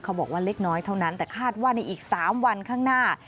บอกว่าเล็กน้อยเท่านั้นแต่คาดว่าในอีก๓วันข้างหน้า